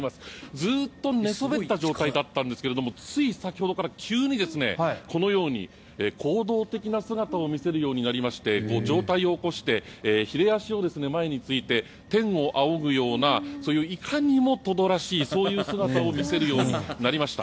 ずっと寝そべった状態だったんですがつい先ほどから急に、このように行動的な姿を見せるようになりまして上体を起こしてひれ足を前について天を仰ぐようないかにもトドらしいそういう姿を見せるようになりました。